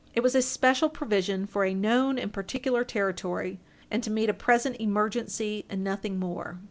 It was a special provision for a known and particular territory, and to meet a present emergency, and nothing more.